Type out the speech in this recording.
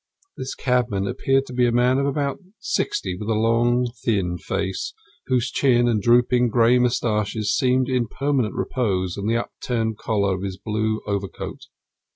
This cabman appeared to be a man of about sixty, with a long, thin face, whose chin and drooping grey moustaches seemed in permanent repose on the up turned collar of his old blue overcoat.